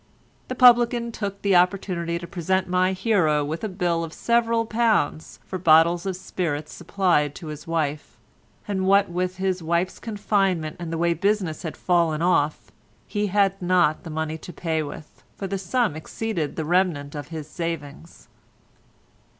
The publican took the opportunity to present my hero with a bill of several pounds for bottles of spirits supplied to his wife, and what with his wife's confinement and the way business had fallen off, he had not the money to pay with, for the sum exceeded the remnant of his savings.